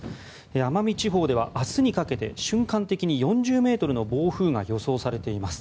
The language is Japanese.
奄美地方では明日にかけて瞬間的に４０ｍの暴風が予想されています。